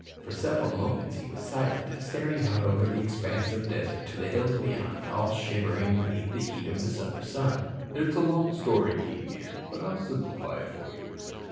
For several moments he was silent, staring out over the expanse of desert to the hills beyond, all shimmering beneath the heat of the summer sun. "It's a long story," he began, "but I'll simplify it for you.